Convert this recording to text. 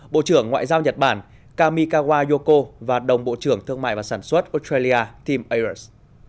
bộ trưởng ngoại giao nhật bản kamikawa yoko và đồng bộ trưởng thương mại và sản xuất australia tim ayers